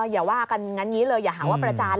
อย่าว่ากันงั้นอย่างนี้เลยอย่าหาว่าประจาน